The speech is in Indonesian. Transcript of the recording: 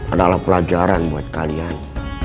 adalah pelajaran buat kalian